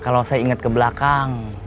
kalo saya inget ke belakang